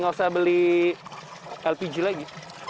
nggak usah beli lpg lagi